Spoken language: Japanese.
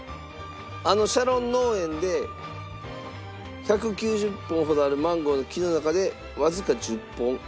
あのシャロン農園で１９０本ほどあるマンゴーの木の中でわずか１０本。